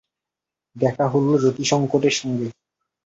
দেখা হল যতিশংকরের সঙ্গে।